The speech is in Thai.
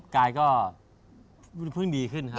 กายก็เพิ่งดีขึ้นฮะ